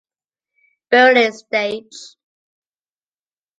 Berlin stage